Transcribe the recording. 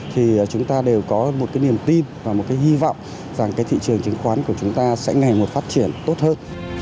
thì chúng ta đều có một niềm tin và một hy vọng rằng thị trường chứng khoán của chúng ta sẽ ngày một phát triển tốt hơn